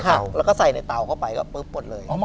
แล้วก็ใส่ในเตาเข้าไปก็ปุ๊บหมดเลย